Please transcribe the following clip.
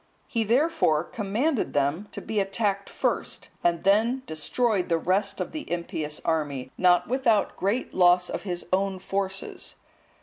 He, therefore, commanded them to be attacked first, and then destroyed the rest of the impious army, not without great loss of his own forces.